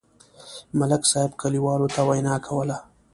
ملک صاحب کلیوالو ته وینا کوله.